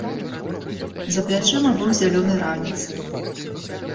За плячыма быў зялёны ранец.